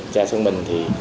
cha xác minh thì